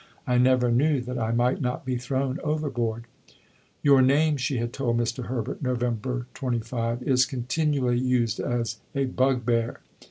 I never knew that I might not be thrown overboard." "Your name," she had told Mr. Herbert (Nov. 25), "is continually used as a bug bear.